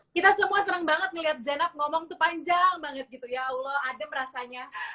kita semua serang banget ngelihat zenak ngomong itu panjang banget gitu ya allah adem rasanya